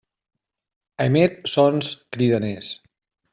Emet sons cridaners.